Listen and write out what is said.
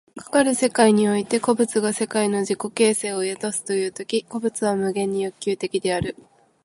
かかる世界において個物が世界の自己形成を宿すという時、個物は無限に欲求的である。